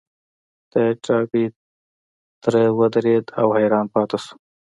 د ډاربي تره ودرېد او حيران پاتې شو.